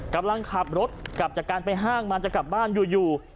กำลังขับรถกลับจากการไปห้างมาจะกลับบ้านอยู่